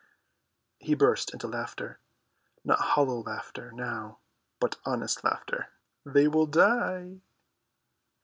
He burst into laughter, not hollow laughter now, but honest laughter. "Aha, they will die."